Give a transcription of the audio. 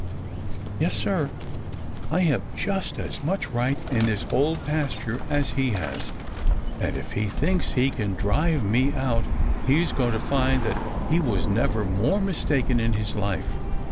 Yes, Sir, I have just as much right in this Old Pasture as he has, and if he thinks he can drive me out he is going to find that he was never more mistaken in his life!